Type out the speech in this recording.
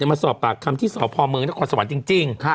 มาสอบปากคำที่สอบพอเมืองและขอสวรรค์จริง